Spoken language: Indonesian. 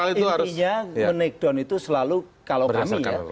intinya men take down itu selalu kalau kami ya